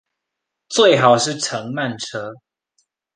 最好是乘慢車